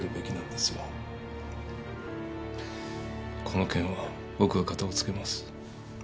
この件は僕が片を付けます。